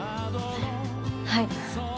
はい。